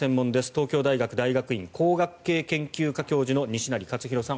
東京大学大学院工学系研究科教授の西成活裕さん